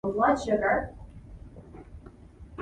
therefore we are bound to keep all his commandments.